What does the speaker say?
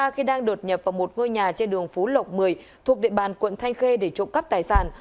khi đang đột nhập vào một ngôi nhà trên đường phú lộc một mươi thuộc địa bàn quận thanh khê để trộm cắp tài sản